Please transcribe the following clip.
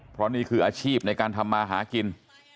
เพราะนี่คืออาชีพในการทำมาหากิน